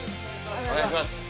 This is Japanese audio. お願いします。